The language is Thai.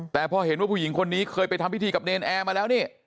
แต่พอเห็นว่าผู้หญิงคนนี้เคยไปทำพิธีกับเนรนแอร์มาแล้วนี่